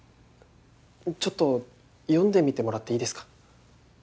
ちょっと読んでみてもらっていいですか？